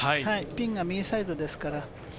ピンが右サイドですから。